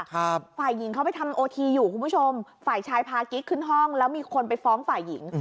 ฝ่ายหญิงเขาไปทำโอทีอยู่คุณผู้ชมฝ่ายชายพากิ๊กขึ้นห้องแล้วมีคนไปฟ้องฝ่ายหญิง